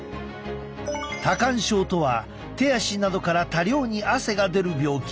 多汗症とは手足などから多量に汗が出る病気。